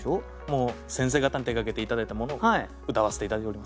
もう先生方に手がけて頂いたものを歌わせて頂いております。